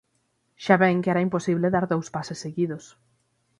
Xa ven que era imposible dar dous pases seguidos.